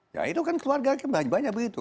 ya itu kan keluarga banyak begitu